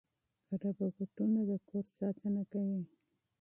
روباټونه د کور ساتنه کوي.